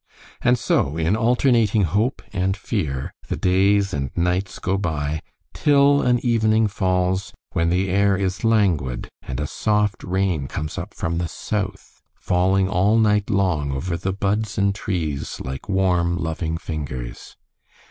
And so, in alternating hope and fear, the days and nights go by, till an evening falls when the air is languid and a soft rain comes up from the south, falling all night long over the buds and trees like warm, loving fingers.